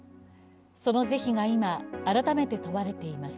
その是非が今、改めて問われています。